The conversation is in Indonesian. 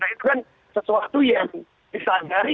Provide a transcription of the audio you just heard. itu kan sesuatu yang disadari